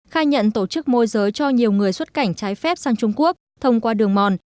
khai nhận tổ chức môi giới cho nhiều người xuất cảnh trái phép sang trung quốc thông qua đường mòn